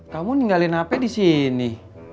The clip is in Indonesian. kamu ninggalin apa di sini